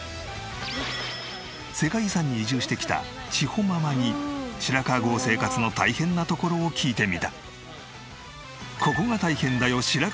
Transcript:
世界遺産に移住してきた千帆ママに白川郷生活の大変なところを聞いてみた。